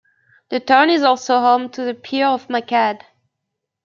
The town is also home to the Pir of Makhad.